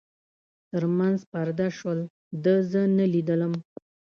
تر منځ پرده شول، ده زه نه لیدم.